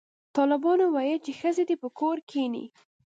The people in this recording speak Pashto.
طالبانو ویل چې ښځې دې په کور کښېني